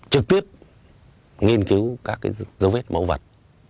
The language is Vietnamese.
trực tiếp nghiên cứu các dấu vết mẫu vật